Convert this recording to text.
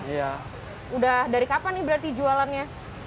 udah dari kapan nih berarti jualannya